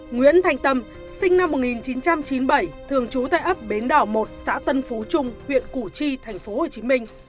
nguyễn thành tâm sinh năm một nghìn chín trăm chín mươi bảy thường trú tại ấp bến đỏ một xã tân phú trung huyện củ chi tp hcm